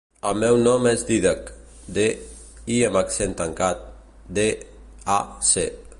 El meu nom és Dídac: de, i amb accent tancat, de, a, ce.